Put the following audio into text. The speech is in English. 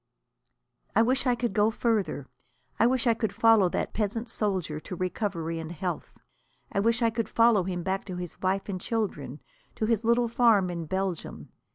I wish I could go further. I wish I could follow that peasant soldier to recovery and health. I wish I could follow him back to his wife and children, to his little farm in Belgium.